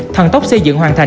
thần tốc xây dựng hoàn thành